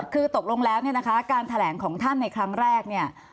คือตกลงแล้วการแถลงของท่านในครั้งแรก